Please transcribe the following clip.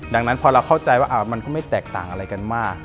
ดังนั้นพอเราเข้าใจว่ามันก็ไม่แตกต่างอะไรกันมาก